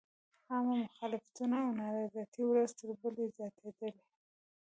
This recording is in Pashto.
عامه مخالفتونه او نارضایتۍ ورځ تر بلې زیاتېدلې.